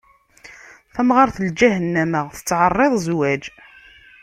Tamɣaṛt n lǧahennama, tettɛeṛṛiḍ zzwaǧ.